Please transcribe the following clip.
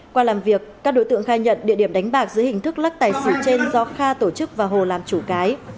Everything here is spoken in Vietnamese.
qua làm việc các đối tượng khai nhận địa điểm đánh bạc dưới hình thức lắc tài xỉu trên do kha tổ chức và hồ làm chủ cái